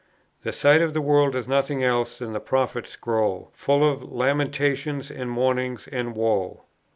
The sight of the world is nothing else than the prophet's scroll, full of "lamentations, and mourning, and woe."